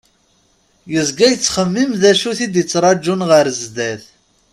Yezga yettxemmim d acu it-id-ttrajun ɣer sdat.